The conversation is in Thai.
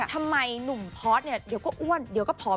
ทำไมหนุ่มพอร์ตเนี่ยเดี๋ยวก็อ้วนเดี๋ยวก็ผอม